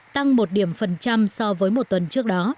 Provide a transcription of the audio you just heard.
tăng một điểm phần trăm